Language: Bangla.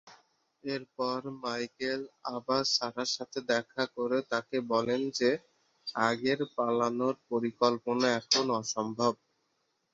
এরপর মাইকেল আবার সারার সাথে দেখা করে তাকে বলেন যে আগের পালানোর পরিকল্পনা এখন অসম্ভব।